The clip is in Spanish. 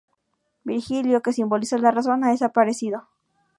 Virgilio, que simboliza la Razón, ha desaparecido.